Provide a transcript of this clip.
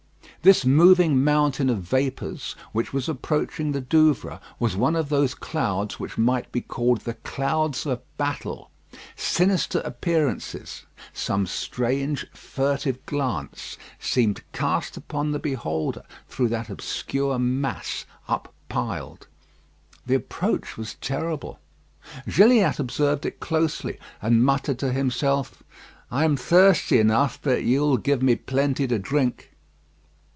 This moving mountain of vapours, which was approaching the Douvres, was one of those clouds which might be called the clouds of battle. Sinister appearances; some strange, furtive glance seemed cast upon the beholder through that obscure mass up piled. The approach was terrible. Gilliatt observed it closely, and muttered to himself, "I am thirsty enough, but you will give me plenty to drink."